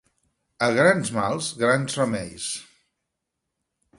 A grans mals, grans remeis.